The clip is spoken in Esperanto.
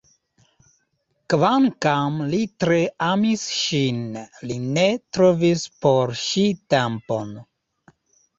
Kvankam li tre amis ŝin, li ne trovis por ŝi tempon.